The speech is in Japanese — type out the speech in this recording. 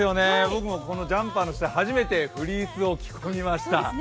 僕もこのジャンパーの下初めてフリースを着込みました。